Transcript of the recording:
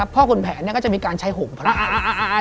พ่อขุนแผนก็จะมีการใช้โหงพลาย